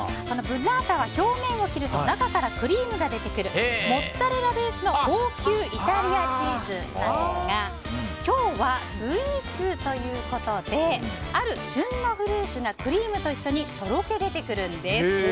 このブッラータは表面を切ると中からクリームが出てくるモッツァレラベースの高級イタリアチーズなんですが今日は、スイーツということである旬のフルーツがクリームと一緒にとろけ出てくるんです。